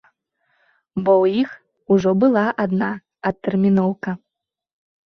Бо ў іх ужо была адна адтэрміноўка.